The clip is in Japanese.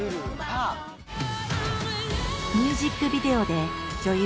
ミュージックビデオで女優